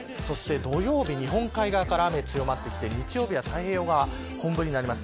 土曜日、日本海側から雨が強まってきて日曜日は太平洋側本降りになります。